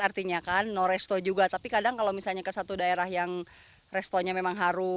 artinya kan habis juga tapi kadang kalau misalnya ke satu daerah yang catholics ciri khasnya pasti aku